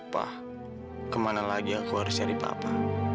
pak kemana lagi aku harus cari papa